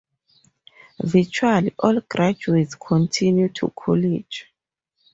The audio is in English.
Virtually all graduates continue to college.